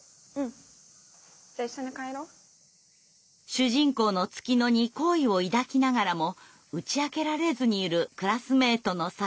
主人公の月乃に好意を抱きながらも打ち明けられずにいるクラスメートの桜。